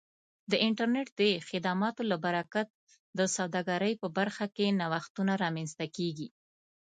د انټرنیټ د خدماتو له برکت د سوداګرۍ په برخه کې نوښتونه رامنځته کیږي.